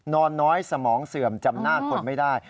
นอนน้อยสมองเสื่อมจำหน้าคนไม่ได้